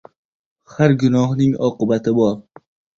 • Har gunohning oqibati bor.